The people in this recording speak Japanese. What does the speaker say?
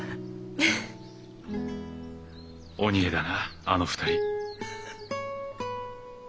お似合えだなあの２人。